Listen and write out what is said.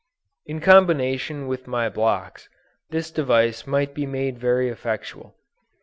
In combination with my blocks, this device might be made very effectual.